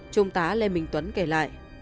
trung tá lê minh tuấn kể lại